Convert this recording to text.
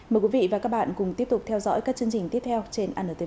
mời quý vị và các bạn cùng tiếp tục theo dõi các chương trình tiếp theo trên anntv